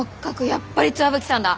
やっぱり石蕗さんだ。